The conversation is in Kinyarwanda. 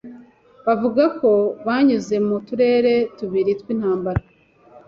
Bavuga ko banyuze mu turere tubiri tw’intambara